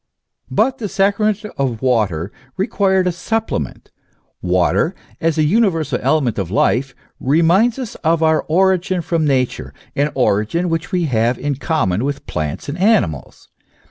But the sacrament of water required a supplement. Water, as a universal element of life, reminds us of our origin from Nature, an origin which we have in common with plants and animals.